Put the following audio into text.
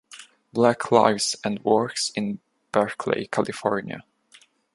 Black lives and works in Berkeley California.